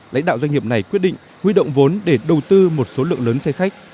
lãnh đạo doanh nghiệp này quyết định huy động vốn để đầu tư một số lượng lớn xe khách